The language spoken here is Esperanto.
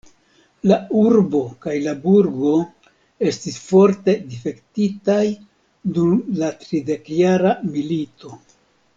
La urbo kaj la burgo estis forte difektitaj dum la tridekjara milito.